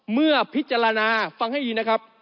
เมื่อพิจารณาฟังให้ดีนะครับ